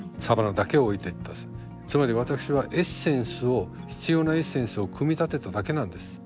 つまり私はエッセンスを必要なエッセンスを組み立てただけなんです。